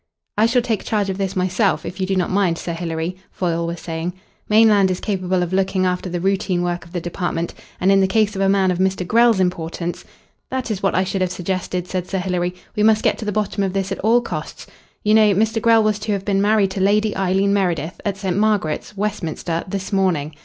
"I shall take charge of this myself, if you do not mind, Sir Hilary," Foyle was saying. "Mainland is capable of looking after the routine work of the department, and in the case of a man of Mr. Grell's importance " "That is what I should have suggested," said Sir Hilary. "We must get to the bottom of this at all costs. You know Mr. Grell was to have been married to Lady Eileen Meredith at St. Margaret's, Westminster, this morning.